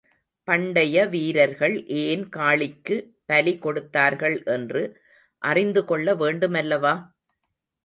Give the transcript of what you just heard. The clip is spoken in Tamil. பண்டைய வீரர்கள் ஏன் காளிக்கு பலி கொடுத்தார்கள் என்று அறிந்துகொள்ள வேண்டுமல்லவா?